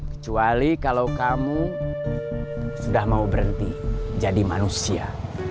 kecuali kalau kamu sudah mau berhenti jadi manusia